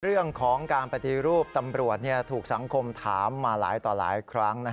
เรื่องของการปฏิรูปตำรวจถูกสังคมถามมาหลายต่อหลายครั้ง